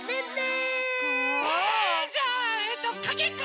えじゃあえっとかけっこ！